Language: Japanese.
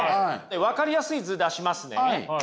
分かりやすい図出しますね。